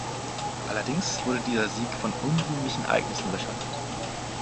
Allerdings wurde dieser Sieg von unrühmlichen Ereignissen überschattet.